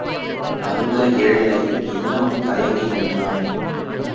வந்த ஏழை இன்னமும் தயங்கி நின்றான்.